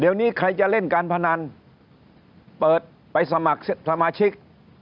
เดี๋ยวนี้ใครจะเล่นการพนันเปิดไปสมัครสมาชิก